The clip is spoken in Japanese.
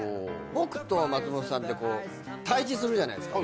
僕と松本さんって対峙するじゃないですか。